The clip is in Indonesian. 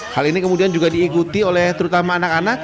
hal ini kemudian juga diikuti oleh terutama anak anak